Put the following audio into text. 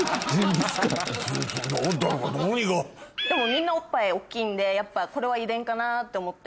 みんなおっぱい大っきいんでこれは遺伝かなって思って。